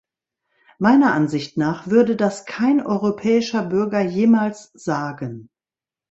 Meiner Ansicht nach würde das kein europäischer Bürger jemals sagen.